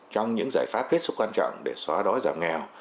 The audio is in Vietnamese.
trong những giải pháp rất quan trọng để xóa đói giảm nghèo